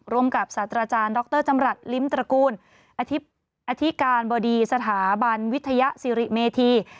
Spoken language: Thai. ร่วมกับสัตว์อาจารย์ฐจำหลัดลิ้มประกูลอธิษฐ์อธิการบดีสถาบันวิทยาศห์สิริเหมที